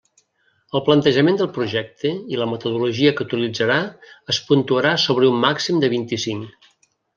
El plantejament del projecte i la metodologia que utilitzarà es puntuarà sobre un màxim de vint-i-cinc.